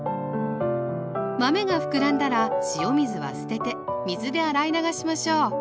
豆が膨らんだら塩水は捨てて水で洗い流しましょう。